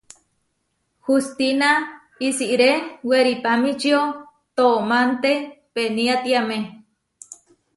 Hustína isiré weripamičío toománte peniátiame.